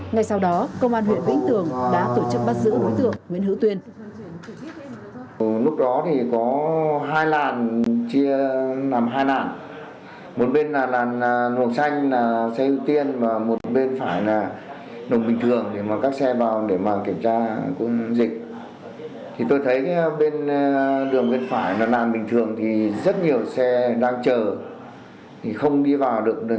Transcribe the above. ngay sau đó công an huyện vĩnh tường đã tổ chức bắt giữ đối tượng nguyễn hữu tuyên